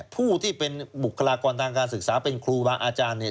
ผู้ที่เป็นบุคลากรทางการศึกษาเป็นครูบาอาจารย์เนี่ย